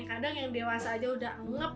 kadang yang dewasa aja udah ngep